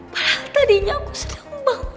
wah tadinya aku sedang bangun